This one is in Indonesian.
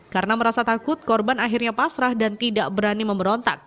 karena merasa takut korban akhirnya pasrah dan tidak berani memberontak